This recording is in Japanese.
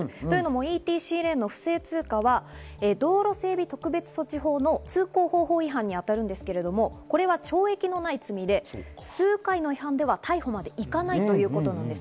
ＥＴＣレーンの不正通過は道路整備特別措置法の通行方法違反に当たるんですが、これは懲役のない罪で数回の違反では逮捕まではいかないということなんです。